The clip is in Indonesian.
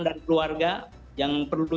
dari keluarga yang perlu